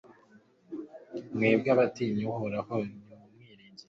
mwebwe abatinya uhoraho, nimumwiringire